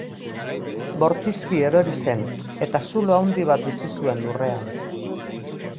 Bortizki erori zen, eta zulo handi bat utzi zuen lurrean.